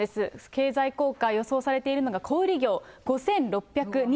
経済効果、予想されているのが小売業、５６２９億円。